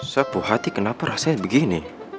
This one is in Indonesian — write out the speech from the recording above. sapu hati kenapa rasanya begini